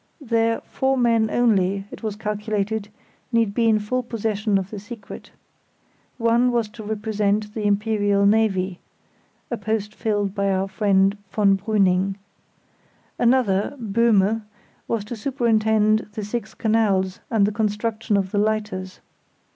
There, four men only (it was calculated) need be in full possession of the secret. One was to represent the Imperial Navy (a post filled by our friend von Brüning). Another (Böhme) was to superintend the six canals and the construction of the lighters.